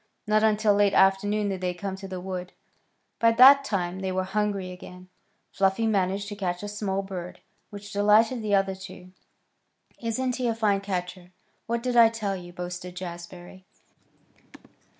Not until late afternoon did they come to the wood. By that time they were hungry again. Fluffy managed to catch a small bird, which delighted the other two. "Isn't he a fine catcher? What did I tell you?" boasted Jazbury.